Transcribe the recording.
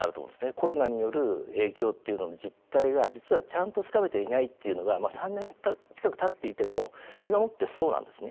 コロナによる影響っていうのの実態が実はちゃんとつかめていないっていうのが３年近くたっていても今もってそうなんですね。